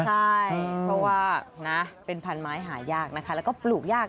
ใช่เพราะว่าเป็นพันธุ์ไม้หายากแล้วก็ปลูกยาก